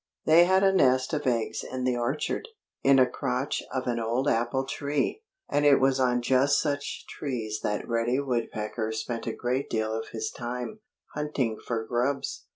They had a nest of eggs in the orchard, in a crotch of an old apple tree. And it was on just such trees that Reddy Woodpecker spent a great deal of his time, hunting for grubs.